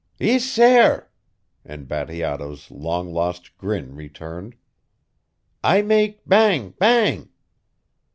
"Ees, sair," and Bateato's long lost grin returned. "I make bang, bang."